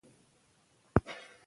شرکتونو سره به شفاف،